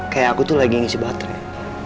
kayak aku tuh lagi ngisi baterai